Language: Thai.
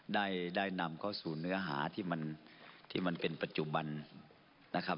ได้นำเข้าสู่เนื้อหาที่มันเป็นปัจจุบันนะครับ